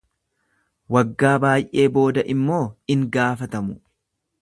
Waggaa baay'ee booda immoo in gaafatamu.